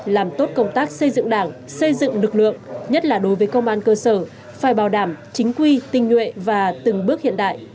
làm tốt công tác xây dựng đảng xây dựng lực lượng nhất là đối với công an cơ sở phải bảo đảm chính quy tinh nhuệ và từng bước hiện đại